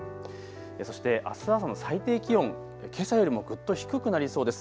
そしてあす朝の最低気温けさよりもぐっと低くなりそうです。